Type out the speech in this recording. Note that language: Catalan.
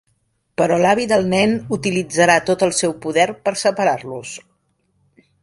Però l'avi del nen utilitzarà tot el seu poder per separar-los.